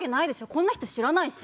こんな人知らないし！